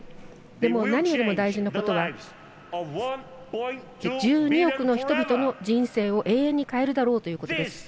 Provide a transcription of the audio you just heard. でも、何よりも大事なことは１２億の人々の人生を永遠に変えるだろうということです。